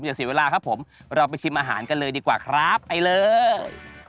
อย่าเสียเวลาครับผมเราไปชิมอาหารกันเลยดีกว่าครับไปเลย